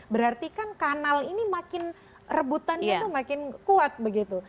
berarti kan kanal ini makin rebutannya tuh makin kuat begitu